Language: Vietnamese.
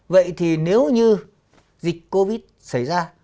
vậy thì nếu như dịch covid xảy ra